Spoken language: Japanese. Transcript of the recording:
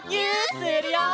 するよ！